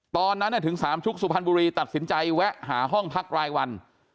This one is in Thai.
ตอนนั้นถึงสามชุกสุพรรณบุรีตัดสินใจแวะหาห้องพักรายวัน